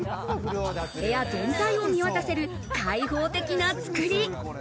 部屋全体を見渡せる開放的な造り。